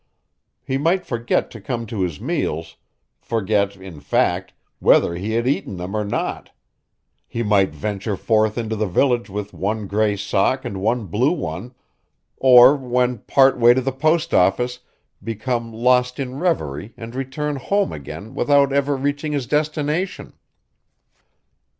He might forget to come to his meals, forget, in fact, whether he had eaten them or not; he might venture forth into the village with one gray sock and one blue one; or when part way to the post office become lost in reverie and return home again without ever reaching his destination.